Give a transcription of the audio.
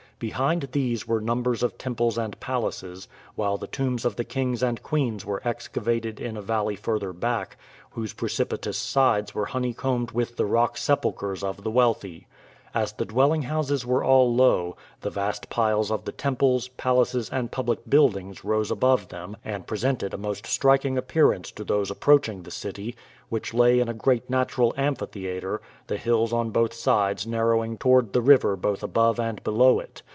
Behind these were numbers of temples and palaces, while the tombs of the kings and queens were excavated in a valley further back, whose precipitous sides were honeycombed with the rock sepulchers of the wealthy. As the dwelling houses were all low, the vast piles of the temples, palaces, and public buildings rose above them, and presented a most striking appearance to those approaching the city, which lay in a great natural amphitheater, the hills on both sides narrowing toward the river both above and below it.